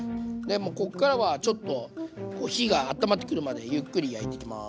もうこっからはちょっと火があったまってくるまでゆっくり焼いていきます。